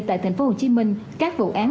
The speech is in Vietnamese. tại thành phố hồ chí minh các vụ án